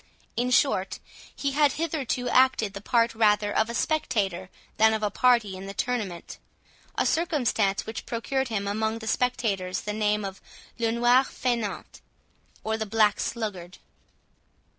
In short, he had hitherto acted the part rather of a spectator than of a party in the tournament, a circumstance which procured him among the spectators the name of "Le Noir Faineant", or the Black Sluggard.